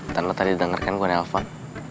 tanpa tadi lo denger kan gue nelpon